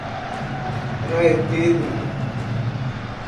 Pai Pedro